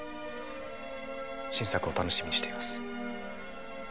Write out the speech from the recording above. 新作を楽しみにしています。